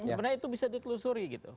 sebenarnya itu bisa ditelusuri gitu